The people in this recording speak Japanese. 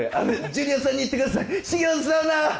ジュニアさんに言ってください。